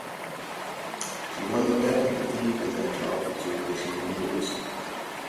She won the bet and continued in that job for two additional years.